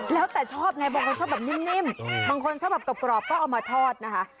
แล้วแต่ชอบไงบางคนชอบแบบนิ่มบางคนชอบแบบกรอบก็เอามาทอดนะคะ